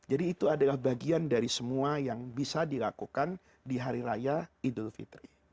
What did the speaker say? jadi itu adalah bagian dari semua yang bisa dilakukan di hari raya idul fitri